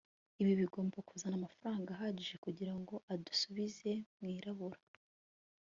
ibi bigomba kuzana amafaranga ahagije kugirango adusubize mwirabura